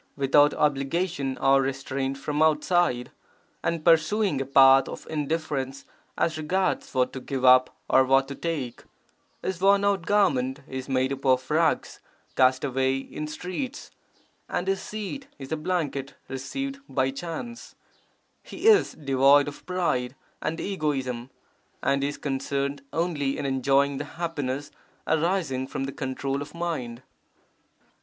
without obligation or restraint from outside) and pursuing a path of indifference as regards what to give up or what to take; his worn out garment is made up of rags cast away in streets, and his seat is a blanket received by chance; he is devoid of pride and egoism and he is concerned only in enjoying the happiness arising from the control of mind.